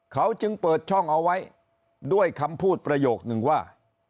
เขาจึงเปิดช่องเอาไว้ด้วยคำพูดประโยคนึงว่า